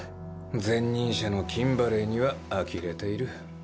前任者のキンバレーにはあきれている。